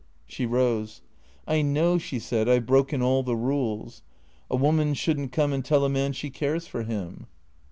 She rose. " I know/' she said, " I 've broken all the rules. A woman should n't come and tell a man she cares for him."